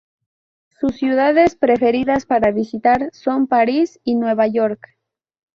Sus ciudades preferidas para visitar son París y Nueva York.